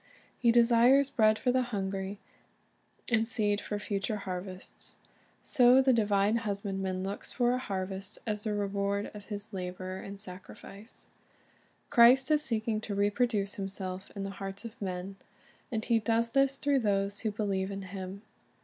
He desires bread for the hungry, and seed for future harvests. So the divine Husbandman looks for a harvest as the reward of His labor and sacrifice. Christ is seeking to reproduce Himself in the hearts of men; and He does this through those who believe in Him.